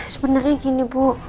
sebenarnya gini bu